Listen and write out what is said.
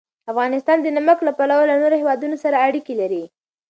افغانستان د نمک له پلوه له نورو هېوادونو سره اړیکې لري.